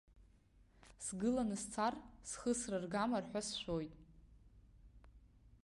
Сгыланы сцар, схы сраргамар ҳәа сшәеит.